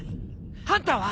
ハンターは？